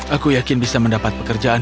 aku yakin bisa mendapat pekerjaan